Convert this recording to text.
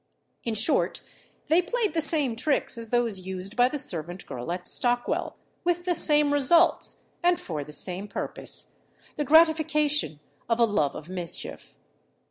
In short, they played the same tricks as those used by the servant girl at Stockwell, with the same results, and for the same purpose the gratification of a love of mischief.